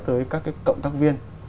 tới các cộng tác viên